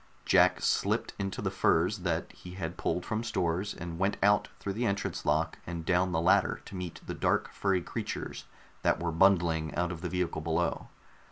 Jack slipped into the furs that he had pulled from stores, and went out through the entrance lock and down the ladder to meet the dark furry creatures that were bundling out of the vehicle below.